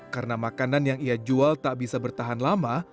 karena makanan yang ia jual tak bisa bertahan lama